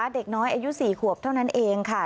เด็กน้อยอายุ๔ขวบเท่านั้นเองค่ะ